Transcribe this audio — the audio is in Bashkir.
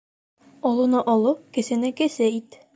Олоно оло, кесене кесе ит.